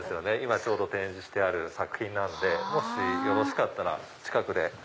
ちょうど展示してある作品なのでもしよろしかったら近くで。